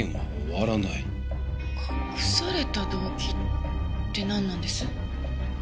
隠された動機ってなんなんです？